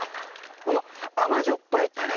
この甘塩っぱいタレ。